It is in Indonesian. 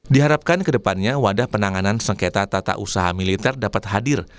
diharapkan kedepannya wadah penanganan sengketa tata usaha militer dapat hadir